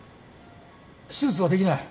手術はできない。